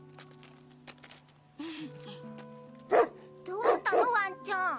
どうしたのワンちゃん。